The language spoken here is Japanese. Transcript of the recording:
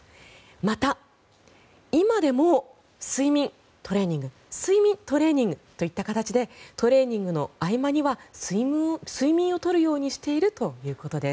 また、今でも睡眠、トレーニング睡眠、トレーニングという形でトレーニングの合間には睡眠を取るようにしているということです。